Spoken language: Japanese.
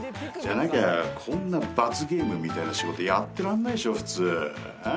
じゃなきゃこんな罰ゲームみたいな仕事やってらんないでしょ普通。